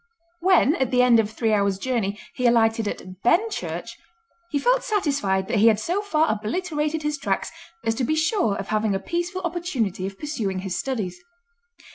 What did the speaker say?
When at the end of three hours' journey he alighted at Benchurch, he felt satisfied that he had so far obliterated his tracks as to be sure of having a peaceful opportunity of pursuing his studies.